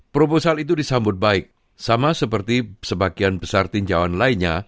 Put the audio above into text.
proposal itu disambut baik sama seperti sebagian besar tinjauan lainnya